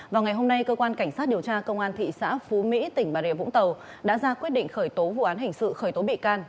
vào ngày hôm nay cơ quan cảnh sát điều tra công an thị xã phú mỹ tỉnh bà rịa vũng tàu đã ra quyết định khởi tố vụ án hình sự khởi tố bị can